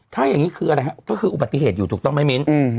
ถ้าอย่างนี้คืออะไรฮะก็คืออุบัติเหตุอยู่ถูกต้องไหมมิ้น